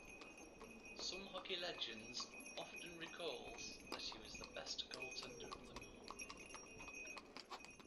Some hockey legends often recalls that he was the best goaltender of them all.